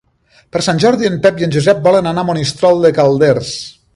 Per Sant Jordi en Pep i en Josep volen anar a Monistrol de Calders.